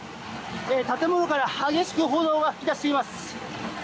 建物から激しく炎が噴き出しています。